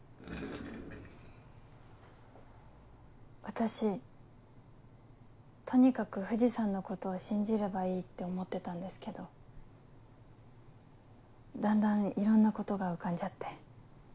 私とにかく藤さんのことを信じればいいって思ってたんですけどだんだんいろんなことが浮かんじゃって。